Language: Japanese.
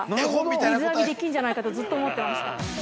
水浴びできるんじゃないかとずっと思っていました。